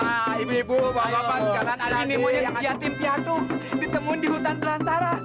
nah ibu ibu bapak bapak sekarang lagi nih monyet yatim piatu ditemuin di hutan belantara